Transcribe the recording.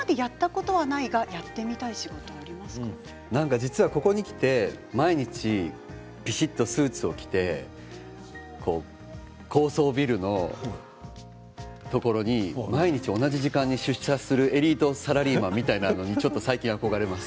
実はここに来て毎日びしっとスーツを着て高層ビルのところに毎日同じ時間に出社するエリートサラリーマンみたいなのにちょっと、最近憧れます。